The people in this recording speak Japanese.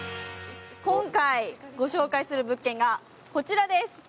今回ご紹介する物件がこちらです。